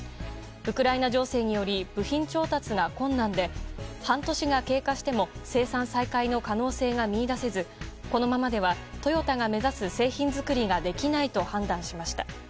ウクライナ情勢により部品調達が困難で半年が経過しても生産再開の可能性が見いだせずこのままではトヨタが目指す製品作りができないと判断しました。